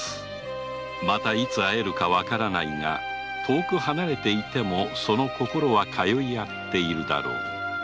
またいつ会えるか分からないが遠く離れていてもその心は通い合っているだろう。